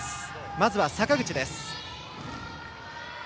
まずは坂口です。